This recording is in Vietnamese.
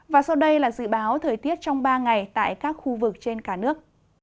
và sau đây là dự báo thời tiết trong ba ngày tại các khu vực trên cả nước